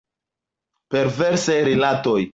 Perversaj rilatoj.